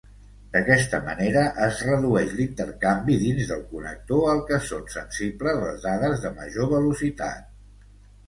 D'aquesta manera es redueix l'intercanvi dins del connector al què són sensibles les dades de major velocitat.